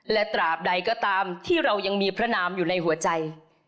และตราบใดก็ตามที่เรายังมีพระนามอยู่ในหัวใจ